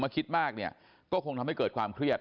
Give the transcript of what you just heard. มาคิดมากก็คงทำให้เกิดความเครียด